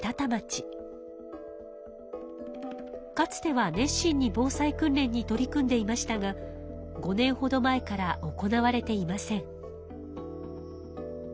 かつては熱心に防災訓練に取り組んでいましたが５年ほど前から行われていません。